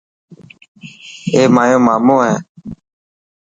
اي مايو مامو هي.